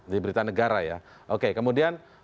diberita negara ya oke kemudian